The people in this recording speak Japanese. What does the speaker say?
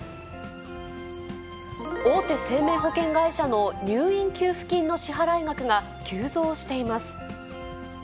大手生命保険会社の入院給付金の支払額が急増しています。